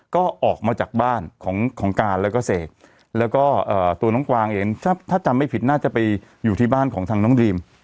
ก็ออกมาจากบ้านของการแล้วก็เสกแล้วก็ตัวน้องกวางเองถ้าจำไม่ผิดน่าจะไปอยู่ที่บ้านของทางน้องดรีม